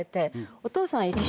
お父さん。